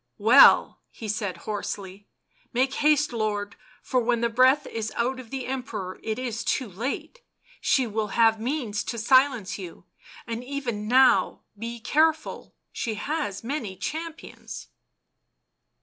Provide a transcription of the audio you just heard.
" Well," he said hoarsely, " make haste, lord, for when the breath is out of the Emperor it is too late ... she will have means to silence you, and even now be careful ... she has many champions."